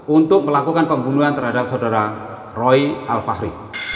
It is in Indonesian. untuk melakukan pembunuhan terhadap saudara roy alfahri